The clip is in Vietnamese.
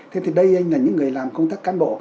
thế thì đây anh là những người làm công tác cán bộ